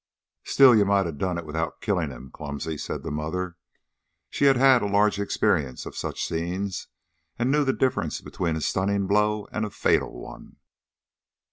"Still, you might ha' done it without killing him, clumsy," said his mother. She had had a large experience of such scenes, and knew the difference between a stunning blow and a fatal one.